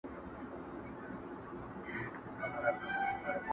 o زه هم ځان سره یو څه دلیل لرمه,